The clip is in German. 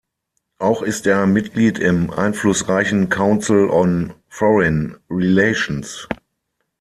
Auch ist er ein Mitglied im einflussreichen Council on Foreign Relations.